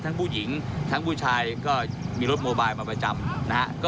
ทั้งผู้หญิงทั้งผู้ชายก็มีรถโมบายมาประจำนะฮะ